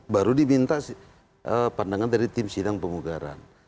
baru diminta pandangan dari tim sindang pembugaran